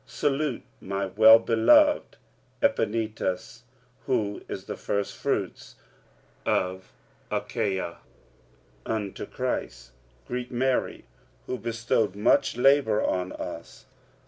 Salute my well beloved Epaenetus, who is the firstfruits of Achaia unto Christ. 45:016:006 Greet Mary, who bestowed much labour on us.